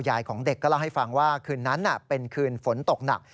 ของเด็กก็เล่าให้ฟังว่าคืนนั้นเป็นคืนฝนตกหนัก